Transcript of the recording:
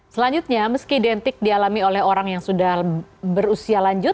selanjutnya meski identik dialami oleh orang yang sudah berusia lanjut